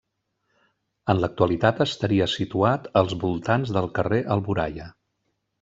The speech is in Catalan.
En l'actualitat estaria situat als voltants del carrer Alboraia.